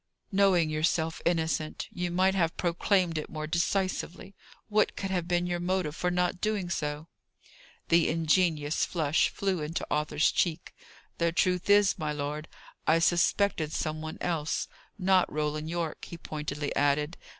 "Knowing yourself innocent, you might have proclaimed it more decisively. What could have been your motive for not doing so?" The ingenuous flush flew into Arthur's cheek. "The truth is, my lord, I suspected some one else. Not Roland Yorke," he pointedly added.